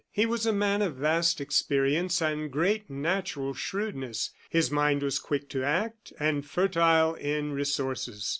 He was a man of vast experience, and great natural shrewdness. His mind was quick to act, and fertile in resources.